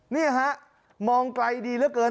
นี่ฮะมองไกลดีเหลือเกิน